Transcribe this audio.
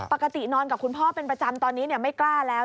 ปกตินอนกับคุณพ่อเป็นประจำตอนนี้ไม่กล้าแล้ว